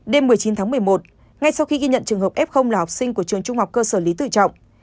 đêm một mươi chín tháng một mươi một ngay sau khi ghi nhận trường hợp f là học sinh của trường trung học cơ sở lý tự trọng